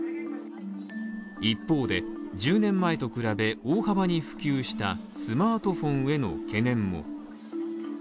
一方で、１０年前と比べ、大幅に普及したスマートフォンへの懸念も。